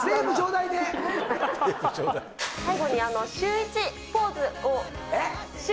最後にシューイチポーズを。